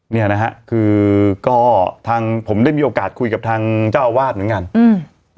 เนี่ยนะฮะคือก็ทางผมได้มีโอกาสคุยกับทางเจ้าอาวาสเหมือนกันอืม